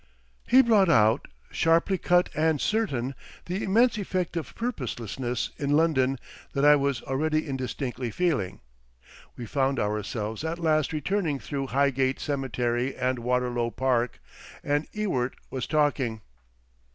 He brought out, sharply cut and certain, the immense effect of purposelessness in London that I was already indistinctly feeling. We found ourselves at last returning through Highgate Cemetery and Waterlow Park—and Ewart was talking.